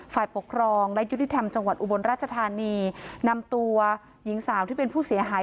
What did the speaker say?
ฝ่ายปกครองและยุติธรรมจังหวัดอุบลราชธานีนำตัวหญิงสาวที่เป็นผู้เสียหาย